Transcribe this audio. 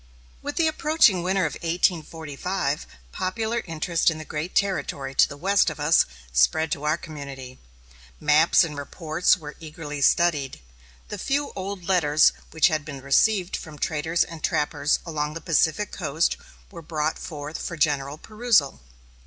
With the approaching Winter of 1845 popular interest in the great territory to the west of us spread to our community. Maps and reports were eagerly studied. The few old letters which had been received from traders and trappers along the Pacific coast were brought forth for general perusal.